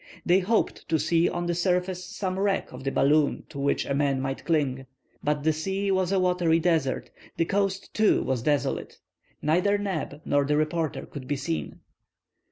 They hoped to see on the surface some wreck of the balloon to which a man might cling. But the sea was a watery desert. The coast, too, was desolate. Neither Neb nor the reporter could be seen.